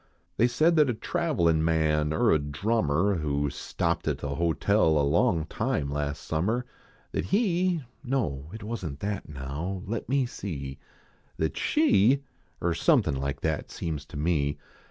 They said that a travelin man, er a drummer, Who stopped at the hotel a long time last summer. That he no it wasn t that now let me see That she er something like that seems to me.